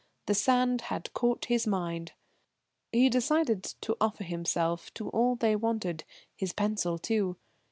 The sand had caught his mind. He decided to offer himself to all they wanted his pencil too.